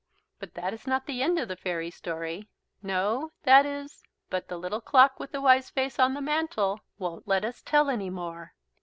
But that is not the end of the fairy story. No, that is but the Little Clock with the Wise Face on the Mantel won't let us tell any more.